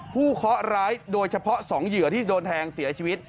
เคาะร้ายโดยเฉพาะสองเหยื่อที่โดนแทงเสียชีวิต